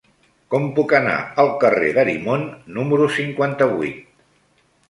Com puc anar al carrer d'Arimon número cinquanta-vuit?